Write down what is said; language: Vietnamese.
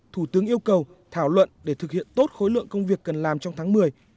thủ tướng yêu cầu thảo luận để thực hiện tốt khối lượng công việc cần làm trong tháng một mươi và quý iv